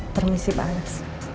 permisi pak alex